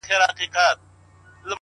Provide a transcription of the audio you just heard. مثبت ذهن حل لارې پیدا کوي’